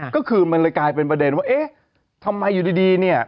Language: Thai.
ก็คือมันเลยกลายเป็นประเด็นว่าเอ๊ะทำไมอยู่ดีเนี่ย